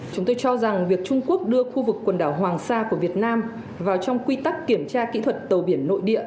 chúng tôi cho rằng việc trung quốc đưa khu vực quần đảo hoàng sa của việt nam vào trong quy tắc kiểm tra kỹ thuật tàu biển nội địa